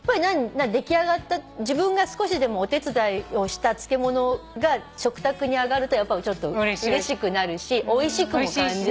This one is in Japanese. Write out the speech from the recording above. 出来上がった自分が少しでもお手伝いをした漬物が食卓に上がるとやっぱりちょっとうれしくなるしおいしくも感じるし。